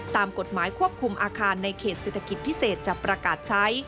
ตามกฎหมายควบคุมอาคารในเขตเศรษฐกิจพิเศษจะประกาศใช้